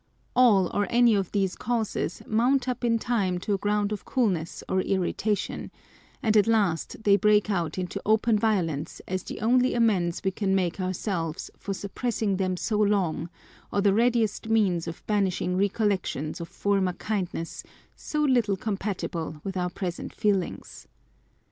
All or any of these causes mount up in time to a ground of coolness or irritation ; and at last they break out into open violence as the only amends we can make ourselves for suppressing them so long, or the readiest means of banishing recollections of former kindness so little compatible with our present feelings.